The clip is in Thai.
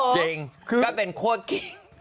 จริงก็เป็นคั่วกิ๊ก